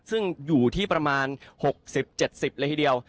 ซึ่งอยู่ที่ประมาณ๖๐๗๐เลยทีเดียว